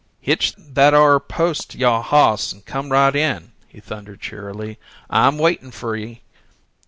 "Hitch that 'ar post to yo' hoss and come right in," he thundered cheerily. "I'm waitin' fer ye."